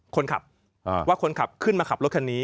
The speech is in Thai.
คนขับว่าคนขับขึ้นมาขับรถคันนี้